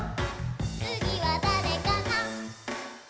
「つぎはだれかな？」